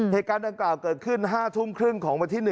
เหตุการณ์ดังกล่าวเกิดขึ้น๕ทุ่มครึ่งของวันที่๑